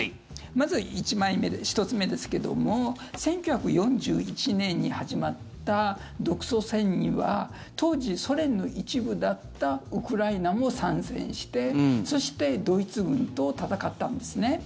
まず１枚目、１つ目ですけども１９４１年に始まった独ソ戦には当時、ソ連の一部だったウクライナも参戦してそしてドイツ軍と戦ったんですね。